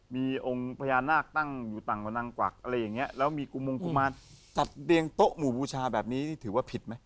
มีองค์พญานาคตั้งอยู่ต่างวนังกวักอะไรอย่างเงี้ยแล้วมีกุมงกุมารจัดเรียงโต๊ะหมู่บูชาแบบนี้นี่ถือว่าผิดไหม